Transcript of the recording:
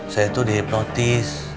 saya tuh di hipnotis